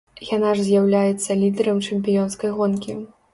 Яна ж з'яўляецца лідэрам чэмпіёнскай гонкі.